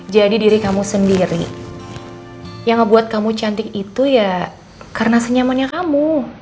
jadi diri kamu sendiri yang ngebuat kamu cantik itu ya karena senyamannya kamu